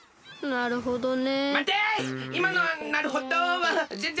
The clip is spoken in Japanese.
なるほどね。